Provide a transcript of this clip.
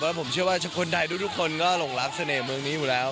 ผมเชื่อว่าคนไทยทุกคนก็หลงรักเสน่ห์เมืองนี้อยู่แล้ว